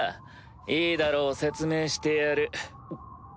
いいだろう説明してやる。